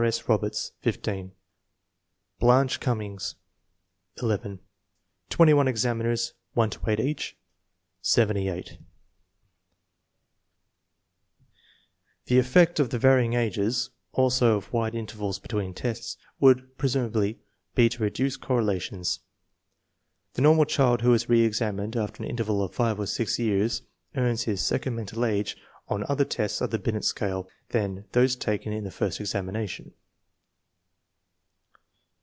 S.Roberta 15 Blanche Cuminings. . 11 21 examiners* 1 to 8 each 78 140 INTELLIGENCE OF SCHOOL CHILDREN The effect of the varying ages, also of wide intervals between tests, would presumably be to reduce correla tions. The normal child who is reSxamined after an interval of five or six years earns his second mental age on other tests of the Binet scale than those taken in the first examination.